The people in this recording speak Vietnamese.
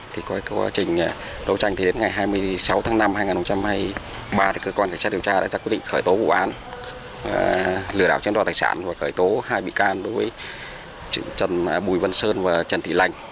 thì qua quá trình đấu tranh thì đến ngày hai mươi sáu tháng năm hai nghìn hai mươi ba thì cơ quan cảnh sát điều tra đã quyết định khởi tố vụ an lửa đảo trên đoàn tài sản và khởi tố hai bị can đối với trần bùi vân sơn và trần thị lành